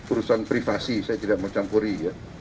urusan privasi saya tidak mau campuri ya